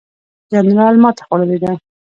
جنرال ماته خوړلې ده.